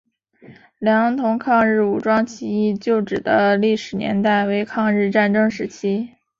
良垌抗日武装起义旧址的历史年代为抗日战争时期。